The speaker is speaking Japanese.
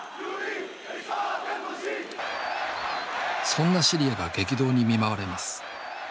そんなシリアが激動に見舞われます。